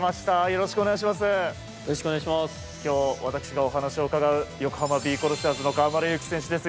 今日、私がお話を伺う横浜ビー・コルセアーズの河村勇輝選手です。